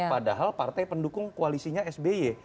padahal partai pendukung koalisinya sby